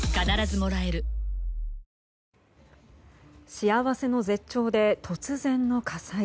幸せの絶頂で突然の火災。